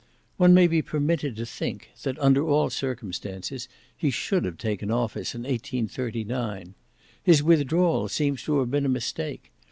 One may be permitted to think that, under all circumstances, he should have taken office in 1839. His withdrawal seems to have been a mistake.